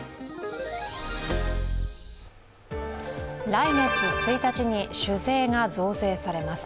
来月１日に、酒税が増税されます。